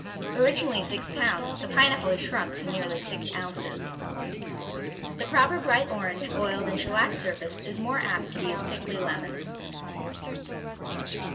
Originally six pounds, the Pineapple has shrunk to nearly six ounces. The proper bright orange, oiled and shellacked surface is more apt to be a sickly lemon.